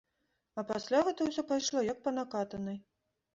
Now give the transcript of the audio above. А пасля гэта ўсё пайшло як па накатанай.